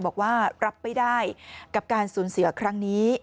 บอกว่ารับไม่ได้กับการสูญเสียครั้งนี้